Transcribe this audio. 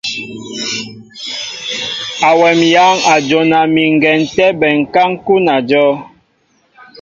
Awɛm éyáŋ a jona mi ŋgɛn tɛ́ bɛnká ń kúná ajɔ́w.